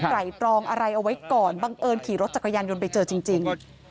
ไหล่ตรองอะไรเอาไว้ก่อนบังเอิญขี่รถจักรยานยนต์ไปเจอจริง